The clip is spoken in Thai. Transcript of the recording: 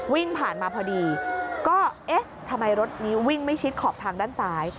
วิ่งผ่านมาพอดีก็เอ๊ะทำไมรถนี้วิ่งไม่ชิดขอบทางด้านซ้าย